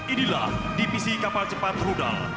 inilah divisi kapal cepat rudal